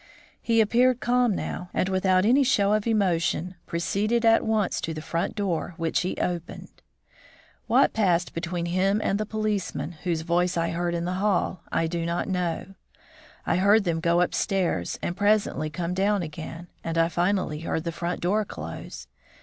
He appeared calm now, and without any show of emotion proceeded at once to the front door, which he opened. What passed between him and the policeman whose voice I heard in the hall, I do not know. I heard them go up stairs and presently come down again, and I finally heard the front door close.